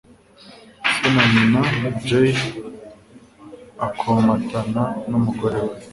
se na nyina j akomatana n umugore we